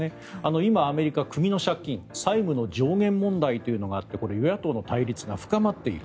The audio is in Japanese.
今、アメリカ、国の借金債務の上限問題というのがあって与野党の対立が深まっている。